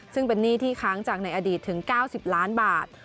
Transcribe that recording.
ซึ่งเป็นหนี้ที่ค้างจากในอดีตถึง๙๐ล้านบาท